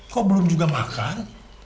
kok belum juga makan